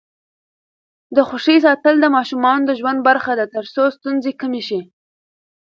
د خوښۍ ساتل د ماشومانو د ژوند برخه ده ترڅو ستونزې کمې شي.